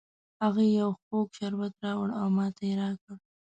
هغې یو خوږ شربت راوړ او ماته یې را کړ